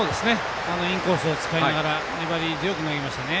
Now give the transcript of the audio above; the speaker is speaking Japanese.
インコースを使いながら粘り強く投げましたね。